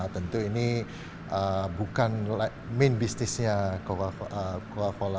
tentu ini bukan main business nya coca cola